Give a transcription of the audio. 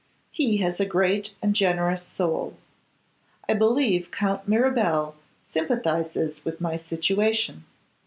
He has a great and generous soul. I believe Count Mirabel sympathises with my situation.